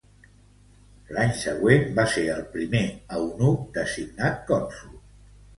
L'any següent, va ser el primer eunuc designat cònsol.